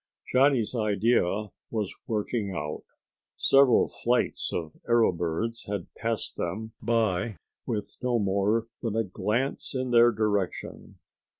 Johnny's idea was working out. Several flights of arrow birds had passed them by with no more than a glance in their direction.